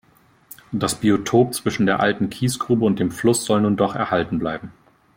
Das Biotop zwischen der alten Kiesgrube und dem Fluss soll nun doch erhalten bleiben.